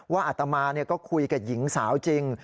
อัตมาก็คุยกับหญิงสาวจริง